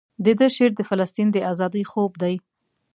دده شعر د فلسطین د ازادۍ خوب دی.